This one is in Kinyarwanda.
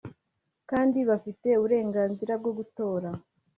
kandi bafite uburenganzira bwo gutora